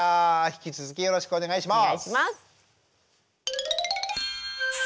引き続きよろしくお願いします。